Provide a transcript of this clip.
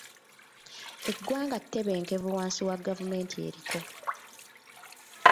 Eggwanga ttebenkevu wansi wa gavumenti eriko.